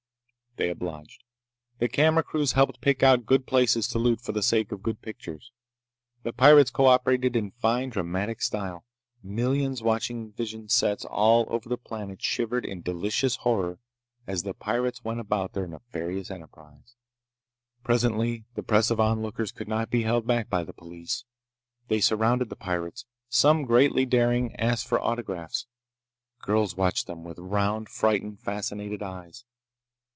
they obliged. The camera crews helped pick out good places to loot for the sake of good pictures. The pirates co operated in fine dramatic style. Millions watching vision sets all over the planet shivered in delicious horror as the pirates went about their nefarious enterprise. Presently the press of onlookers could not be held back by the police. They surrounded the pirates. Some, greatly daring, asked for autographs. Girls watched them with round, frightened, fascinated eyes.